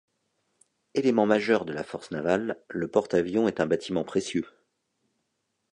Élément majeur de la force navale, le porte-avions est un bâtiment précieux.